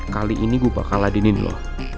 kali ini gue bakal adinin lo